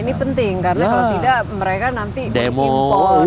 ini penting karena kalau tidak mereka nanti berimpor